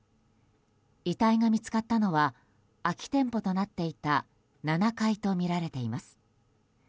遺体が見つかったのは空き店舗となっていた７階とみられています。